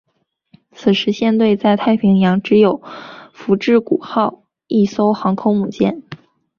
此时舰队在西太平洋只有福治谷号一艘航空母舰。